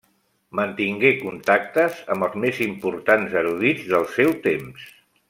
Mantingué contactes amb els més importants erudits del seu temps.